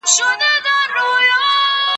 وخت ونیسه!.